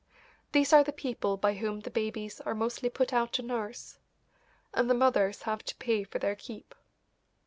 These are the people by whom the babies are mostly put out to nurse, and the mothers have to pay for their keep.